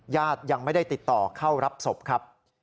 ญาติยังไม่ได้ติดต่อเข้ารับศพครับ